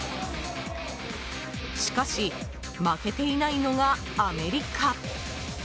しかし、負けていないのがアメリカ。